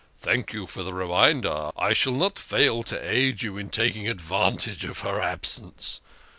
" Thank you for the reminder. I shall not fail to aid you in taking advantage of her absence.